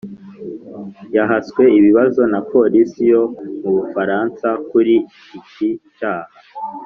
yahaswe ibibazo na polisi yo mu bufaransa kuri iki cyaha